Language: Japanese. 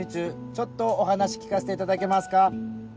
ちょっとお話聞かせていただけますか？